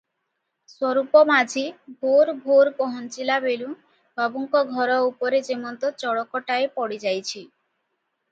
ସ୍ୱରୂପ ମାଝି ଭୋର ଭୋର ପହଞ୍ଚିଲା ବେଳୁଁ ବାବୁଙ୍କ ଘର ଉପରେ ଯେମନ୍ତ ଚଡ଼କଟାଏ ପଡି ଯାଇଛି ।